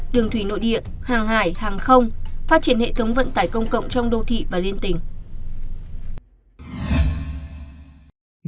đường thủy nội địa hàng hải hàng không phát triển hệ thống vận tải công cộng trong đô thị và liên tỉnh